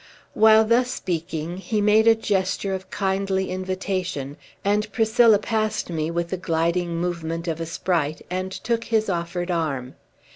While thus speaking, he made a gesture of kindly invitation, and Priscilla passed me, with the gliding movement of a sprite, and took his offered arm.